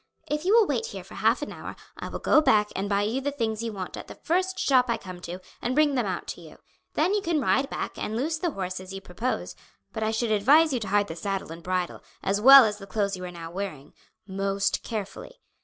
If you will wait here for half an hour I will go back and buy you the things you want at the first shop I come to and bring them out to you. Then you can ride back and loose the horse as you propose; but I should advise you to hide the saddle and bridle, as well as the clothes you are now wearing, most carefully.